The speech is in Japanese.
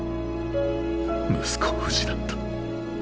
息子を失った。